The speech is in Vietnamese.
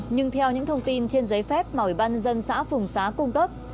nhưng theo những thông tin trên giấy phép mà ủy ban nhân dân xã phùng xá cung cấp